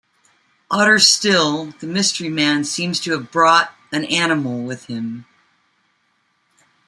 Odder still, the mystery man seems to have brought an animal with him.